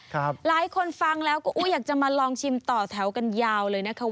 หลายคนฟังแล้วก็อุ้ยอยากจะมาลองชิมต่อแถวกันยาวเลยนะคะ